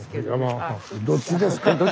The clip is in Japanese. どっちですか？